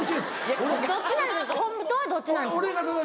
どっちなんですか？